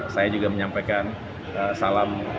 saya juga menyampaikan salam